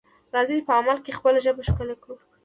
راځئ چې په عمل کې خپله ژبه ښکلې کړو.